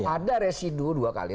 ada residu dua kali